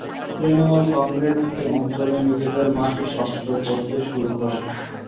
তৃণমূল কংগ্রেস এই অঞ্চলে নিজেদের মাটি শক্ত করতে শুরু করে।